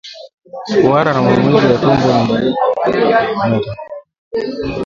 Kuhara na maumivu ya tumbo ni dalili za ugonjwa wa kimeta